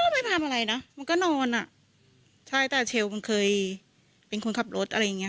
ไม่ทำอะไรนะมันก็นอนอ่ะใช่แต่เชลลมันเคยเป็นคนขับรถอะไรอย่างเงี้